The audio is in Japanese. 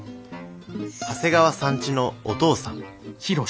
長谷川さんちのお父さん。